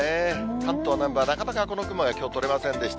関東南部はなかなかこの雲がきょう、取れませんでした。